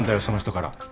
その人から。